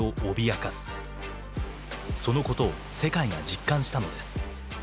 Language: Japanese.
そのことを世界が実感したのです。